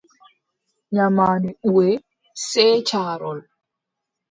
Nyamaande buʼe, sey caarol.